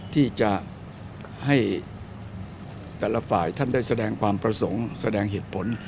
ที่จะให้แต่ละฝ่ายท่านได้แสดงความประสงค์แสดงเหตุผล